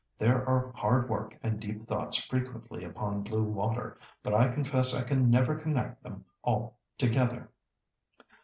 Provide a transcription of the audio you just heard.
There are hard work and deep thoughts frequently upon blue water, but I confess I can never connect them together."